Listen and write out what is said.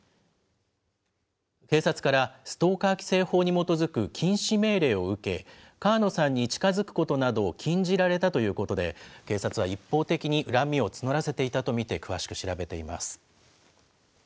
警察から、ストーカー規制法に基づく禁止命令を受け、川野さんに近づくことなどを禁じられたということで、警察は一方的に恨みを募らせていたと見て、詳しく調べています。